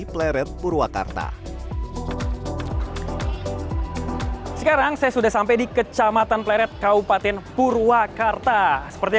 pleret purwakarta sekarang saya sudah sampai di kecamatan pleret kaupaten purwakarta seperti